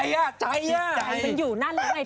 อยากจะอยู่นั่นเรื่องไหนพี่